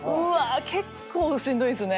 結構しんどいですね。